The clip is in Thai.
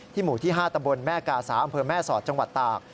หมู่ที่๕ตำบลแม่กาสาอำเภอแม่สอดจังหวัดตาก